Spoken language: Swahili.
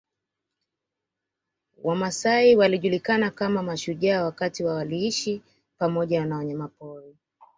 Wamasai walijulikana kama mashujaa wakali na waliishi pamoja na wanyamapori